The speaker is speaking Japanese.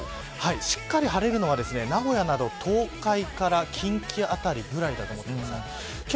しっかり晴れるのは名古屋など東海から近畿辺りぐらいだと思ってください。